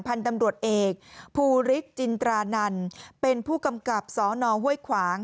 พันธุ์ตำรวจเอกภูริจินตรานันเป็นผู้กำกับสนห้วยขวาง